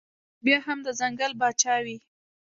خو بيا هم د ځنګل باچا وي